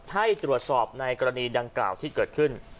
ให้ตรวจสอบในกรณีดังกล่าวที่เกิดขึ้น